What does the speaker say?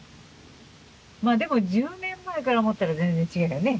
まあでも１０年前から思ったら全然違うよね。